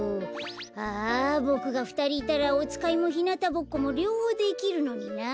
ああボクがふたりいたらおつかいもひなたぼっこもりょうほうできるのにな。